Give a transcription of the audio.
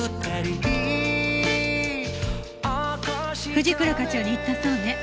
藤倉課長に言ったそうね？